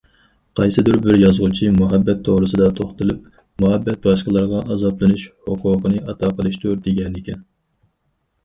قايسىدۇر بىر يازغۇچى مۇھەببەت توغرىسىدا توختىلىپ:« مۇھەببەت باشقىلارغا ئازابلىنىش ھوقۇقىنى ئاتا قىلىشتۇر» دېگەنىكەن.